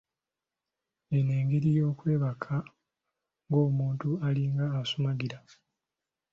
Eno engeri y'okwebaka ng’omuntu alinga asumugira.